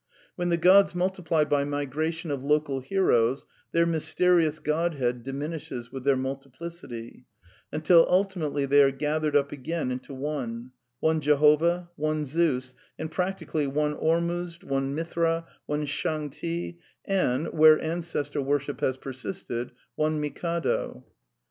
When the gods , multiply by migration of local heroes, their mysterious \ godhead diminishes with their multiplicity; until ulti \ mately they are gathered up again into one : one Jehovah, lone Zeus, and practiieally one Ormuzd, one Mithra, one IShang Ti, and, where ancestor worship has persisted, one Mikado.